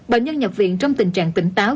bệnh nhân nhập viện trong tình trạng tỉnh táo